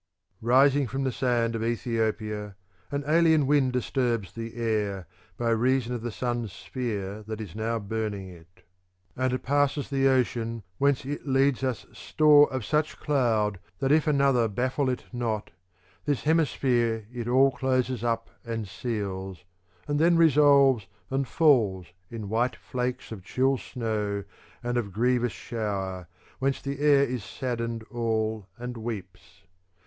II Rising from the sand of Ethiopia an alien wind dis turbs the air by reason of the sun's sphere that is now burning it,'' And passes the ocean, whence it leads us store of such cloud that if another baffle it not this hemisphere it all closes up and seals, And then resolves, and falls in white flakes Of chill snow and of grievous shower, whence the air is saddened all and weeps.